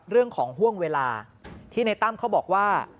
เรื่องของห่วงเวลาที่ในตั้มเขาบอกว่า